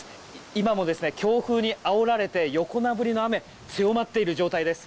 今も強風にあおられて横殴りの雨が強まっている状態です。